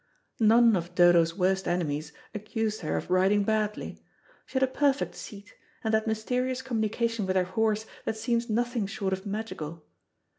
None of Dodo's worst enemies accused her of riding badly. She had a perfect seat, and that mysterious communication with her horse that seems nothing short of magical.